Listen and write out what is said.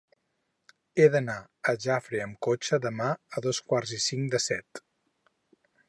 He d'anar a Jafre amb cotxe demà a dos quarts i cinc de set.